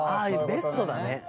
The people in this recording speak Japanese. ベストだね。